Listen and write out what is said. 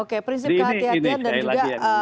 kehati hatian dan juga